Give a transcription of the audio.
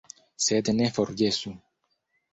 Sed ne forgesu!